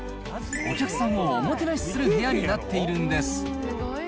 お客さんをおもてなしする部屋になっているんです。